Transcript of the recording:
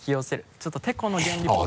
ちょっとてこの原理っぽく。